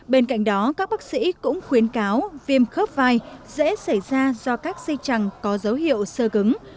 bên cạnh đó các bác sĩ cũng khuyến cáo viêm khớp vai dễ xảy ra do các di chằng có dấu hiệu sơ cứng